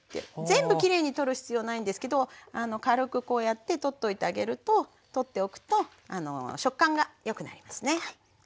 全部きれいに取る必要ないんですけど軽くこうやって取っといてあげると取っておくと食感がよくなりますね。